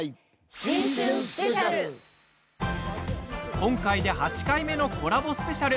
今回で８回目のコラボスペシャル。